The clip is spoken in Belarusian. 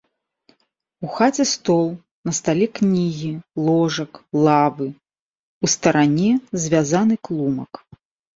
У хаце стол, на стале кнігі, ложак, лавы, у старане звязаны клумак.